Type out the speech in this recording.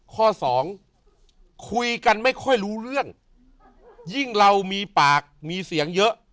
ข้อสองคุยกันไม่ค่อยรู้เรื่องยิ่งเรามีปากมีเสียงเยอะ